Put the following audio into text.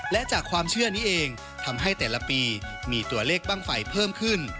และจากความเชื่อนี้เองทำให้แต่ละปีมีตัวเลขบ้างไฟเพิ่มขึ้น